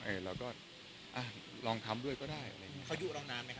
เออแล้วก็อ่ะลองทำด้วยก็ได้อะไรอย่างเงี้ยเขาอยู่ร้องนานไหมครับ